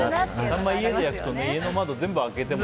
サンマ家で焼くと家の窓、全部開けてね。